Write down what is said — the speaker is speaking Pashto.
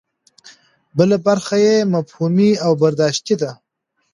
بله برخه یې مفهومي او برداشتي ده.